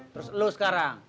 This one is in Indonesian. terus lo sekarang